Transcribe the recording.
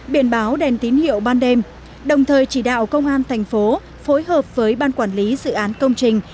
biển báo đèn tín hiệu ban đêm đồng thời chỉ đạo công an thành phố phối hợp với ban quản lý dự án công trình